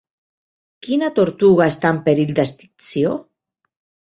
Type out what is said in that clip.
Quina tortuga està en perill d'extinció?